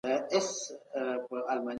بهرنۍ پالیسي د ملت ګټې نه نادیده نیسي.